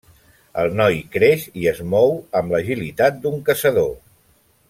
El noi creix i es mou amb l'agilitat d'un caçador.